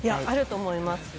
あると思います。